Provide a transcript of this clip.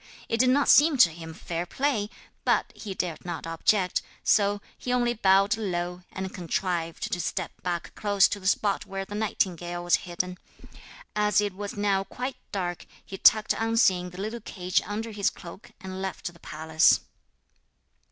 It did not seem to him fair play, but he dared not object, so he only bowed low, and contrived to step back close to the spot where the nightingale was hidden. As it was now quite dark he tucked unseen the little cage under his cloak, and left the palace.